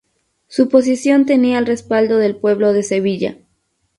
Su posición tenía el respaldo del pueblo de Sevilla.